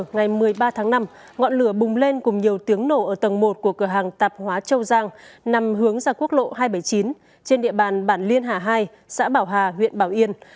ngày một mươi ba tháng năm ngọn lửa bùng lên cùng nhiều tiếng nổ ở tầng một của cửa hàng tạp hóa châu giang nằm hướng ra quốc lộ hai trăm bảy mươi chín trên địa bàn bản liên hà hai xã bảo hà huyện bảo yên